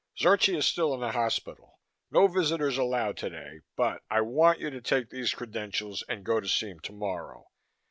Zorchi is still in the hospital; no visitors allowed today. But I want you to take these credentials and go to see him tomorrow.